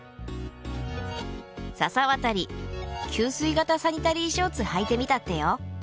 笹渡給水型サニタリーショーツはいてみたってよ。